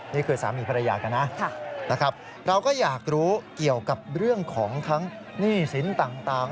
นี่คือสามีภรรยากันนะนะครับเราก็อยากรู้เกี่ยวกับเรื่องของทั้งหนี้สินต่าง